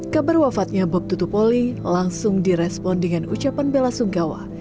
kabar wafatnya bob tutupoli langsung direspon dengan ucapan bela sunggawa